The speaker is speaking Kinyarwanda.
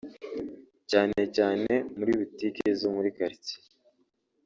cyane cyane muri butike zo muri karitsiye